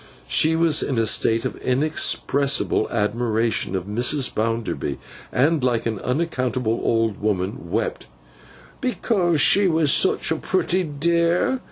She was in a state of inexpressible admiration of Mrs. Bounderby, and, like an unaccountable old woman, wept, 'because she was such a pretty dear.